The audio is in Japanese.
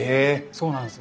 そうなんです。